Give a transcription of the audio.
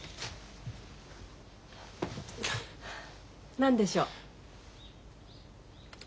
何でしょう？